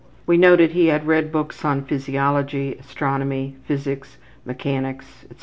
We noted he had read books on physiology, astronomy, physics, mechanics, etc.